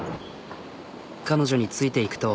彼女についていくと。